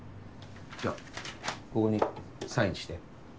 じゃあここにサインして。